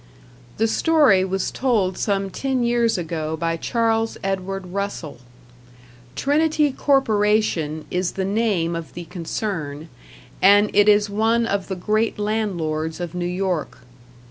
The story was told some ten years ago by Charles Edward Russell. Trinity Corporation is the name of the concern, and it is one of the great landlords of New York.